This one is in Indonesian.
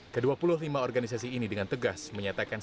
ke dua puluh lima organisasi ini dengan tegas menyatakan